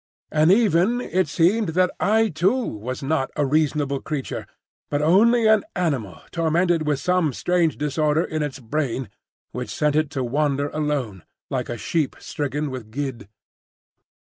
And even it seemed that I too was not a reasonable creature, but only an animal tormented with some strange disorder in its brain which sent it to wander alone, like a sheep stricken with gid.